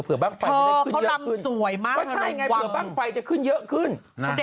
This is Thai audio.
เพื่อบ้างไฟจะขึ้นเยอะขึ้น